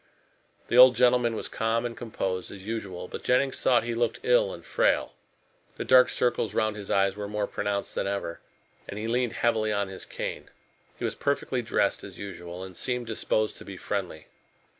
The old gentleman was calm and composed as usual, but Jennings thought he looked ill and frail. The dark circles round his eyes were more pronounced than ever, and he leaned heavily on his cane. He was perfectly dressed as usual, and seemed disposed to be friendly.